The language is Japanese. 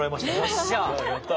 よっしゃあ！